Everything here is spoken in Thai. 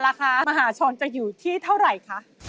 มหาชนจะอยู่ที่เท่าไหร่คะ